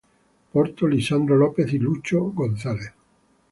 Porto, Lisandro López y Lucho González.